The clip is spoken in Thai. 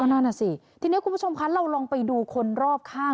นั่นน่ะสิทีนี้คุณผู้ชมคะเราลองไปดูคนรอบข้าง